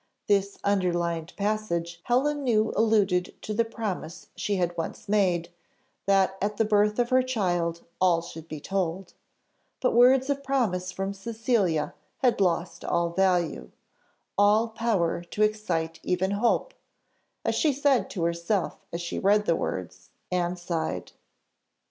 This underlined passage Helen knew alluded to the promise she had once made, that at the birth of her child all should be told; but words of promise from Cecilia had lost all value all power to excite even hope, as she said to herself as she read the words, and sighed.